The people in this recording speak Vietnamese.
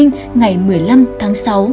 ngày một mươi năm tháng sáu